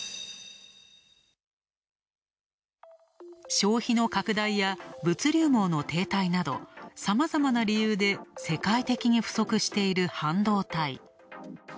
消費の拡大や物量網の停滞などさまざまな理由で世界的に不足している半導体。